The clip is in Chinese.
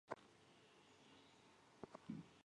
多尔特地区卡斯泰特。